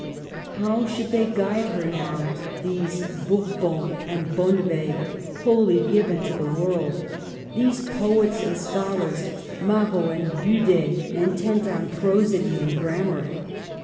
How should they guide her now, these Bour bons and Bonnivets, wholly given to the world ; these poets and scholars, Marots and Budes, intent on Prosody and Grammar?